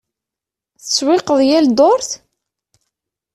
Tettsewwiqeḍ yal ddurt?